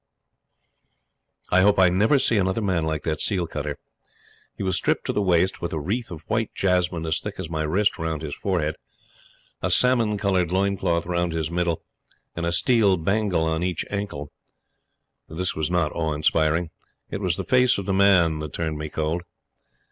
I hope I may never see another man like that seal cutter. He was stripped to the waist, with a wreath of white jasmine as thick as my wrist round his forehead, a salmon colored loin cloth round his middle, and a steel bangle on each ankle. This was not awe inspiring. It was the face of the man that turned me cold.